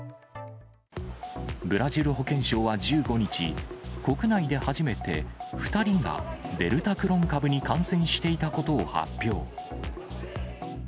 ブラジル保健省は１５日、国内で初めて２人が、デルタクロン株に感染していたことを発表。